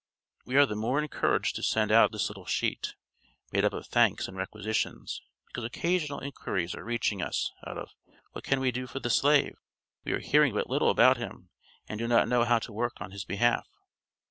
We are the more encouraged to send out this little sheet, made up of thanks and requisitions, because occasional inquiries are reaching us of "What can we do for the slave? We are hearing but little about him, and do not know how to work on his behalf."